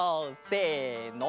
せの！